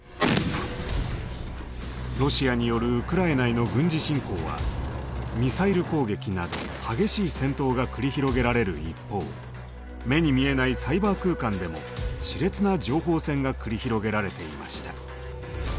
ロシアによるウクライナへの軍事侵攻はミサイル攻撃など激しい戦闘が繰り広げられる一方目に見えないサイバー空間でもしれつな情報戦が繰り広げられていました。